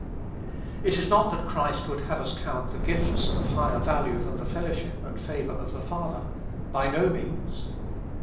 It is not that Christ would have us count the gifts of higher value than the fellowship and favor of the Father. By no means.